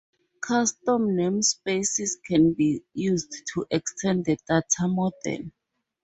Custom namespaces can be used to extend the data model.